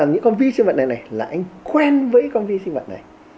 những con vi sinh vật này này là anh quen với con vi sinh vật này